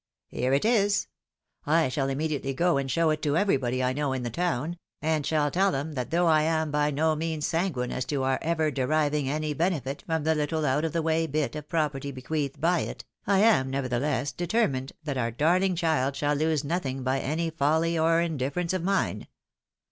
" Here it is — ^I shall immediately go and show it to everybody I know in the town, and shall tell them that though I am by no means sanguine as to our ever deriving any benefit from the little out of the way bit of property be queathed by it, I am, nevertheless, determined that our darhng child shall lose nothing by any folly or indifference of mine.